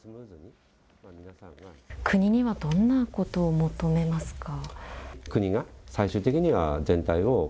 国にはどんなことを求めますか。